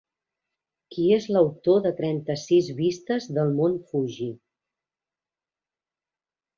Qui és l'autor de Trenta-sis vistes del Mont Fuji?